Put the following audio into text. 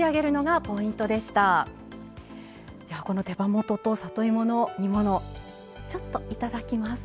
この手羽元と里芋の煮物ちょっといただきます。